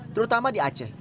terutama di aceh